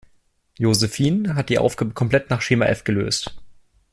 Josephine hat die Aufgabe komplett nach Schema F gelöst.